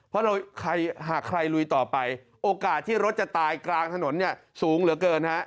เพราะเราหากใครลุยต่อไปโอกาสที่รถจะตายกลางถนนเนี่ยสูงเหลือเกินฮะ